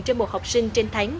trên một học sinh trên tháng